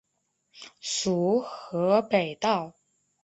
属河北道。